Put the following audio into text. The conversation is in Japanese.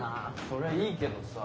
そりゃいいけどさ。